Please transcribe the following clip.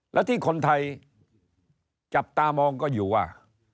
และที่คนไทยจับตามองก็อยู่ว่า